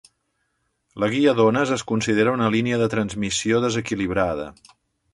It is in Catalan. La guia d'ones es considera una línia de transmissió desequilibrada.